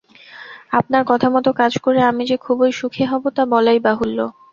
আপনার কথামত কাজ করে আমি যে খুবই সুখী হব, তা বলাই বাহুল্য।